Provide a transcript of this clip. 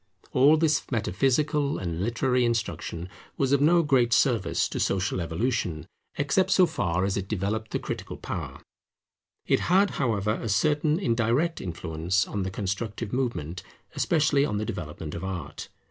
All this metaphysical and literary instruction was of no great service to social evolution, except so far as it developed the critical power; it had, however, a certain indirect influence on the constructive movement, especially on the development of Art.